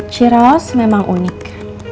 cie ros memang unik